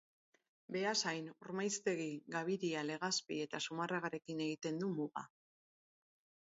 Beasain, Ormaiztegi, Gabiria, Legazpi eta Zumarragarekin egiten du muga.